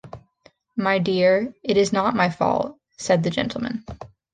‘My dear, it’s not my fault,’ said the gentleman.